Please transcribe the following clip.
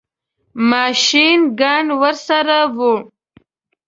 ماشین ګن ورسره وو.